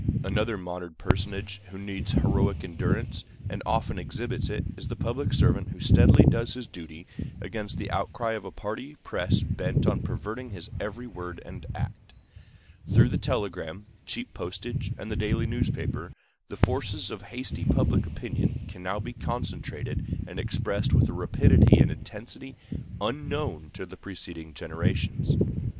Another modern personage who needs heroic endurance, and often exhibits it, is the public servant who steadily does his duty against the outcry of a party press bent on perverting his every word and act. Through the telegram, cheap postage, and the daily newspaper, the forces of hasty public opinion can now be concentrated and expressed with a rapidity and intensity unknown to preceding generations.